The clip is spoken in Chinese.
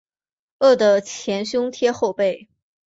饿得前胸贴后背